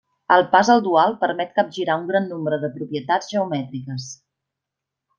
El pas al dual permet capgirar un gran nombre de propietats geomètriques.